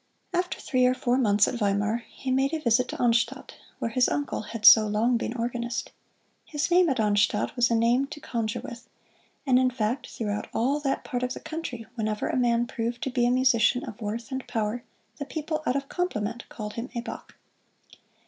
After three or four months at Weimar he made a visit to Arnstadt, where his uncle had so long been organist. His name at Arnstadt was a name to conjure with, and in fact throughout all that part of the country, whenever a man proved to be a musician of worth and power the people out of compliment called him a "Bach."